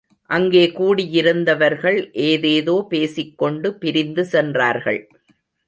அங்கே கூடியிருந்தவர்கள் ஏதேதோ பேசிக் கொண்டு பிரிந்து சென்றார்கள்.